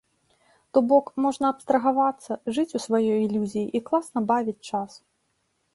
То бок, можна абстрагавацца, жыць у сваёй ілюзіі і класна бавіць час.